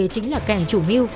chính là kẻ chủ mưu